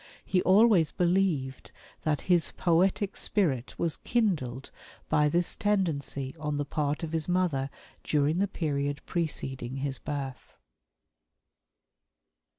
He always believed that his poetic spirit was kindled by this tendency on the part of his mother during the period preceding his birth.